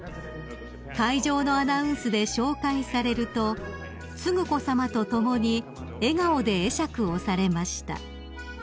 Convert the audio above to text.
［会場のアナウンスで紹介されると承子さまと共に笑顔で会釈をされました］